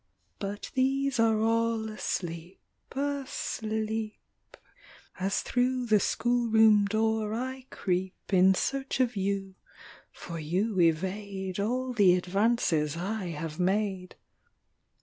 But these are all asleep, — asleep, As through the schoolroom door I creep In search of you — for you evade All the advances I have made.